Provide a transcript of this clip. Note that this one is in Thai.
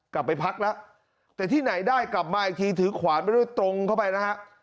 กลับไปพักแล้วแต่ที่ไหนได้กลับมาอีกทีถือขวานไปด้วยตรงเข้าไปนะฮะ